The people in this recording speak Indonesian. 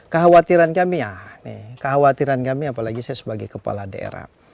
kekhawatiran kami apalagi saya sebagai kepala daerah